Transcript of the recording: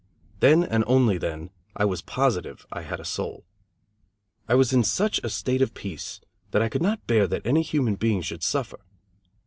Then and only then I was positive I had a soul. I was in such a state of peace that I could not bear that any human being should suffer.